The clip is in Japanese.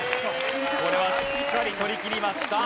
これはしっかり取りきりました。